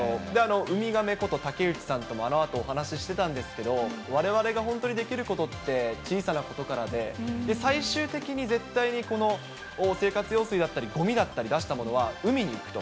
ウミガメこと竹内さんとも、あのあと、お話ししてたんですけど、われわれが本当にできることって小さなことからで、最終的に絶対にこの生活用水だったり、ごみだったり、出したものは海に行くと。